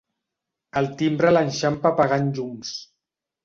El timbre l'enxampa apagant llums.